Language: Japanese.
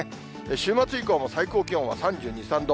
週末以降も最高気温は３２、３度。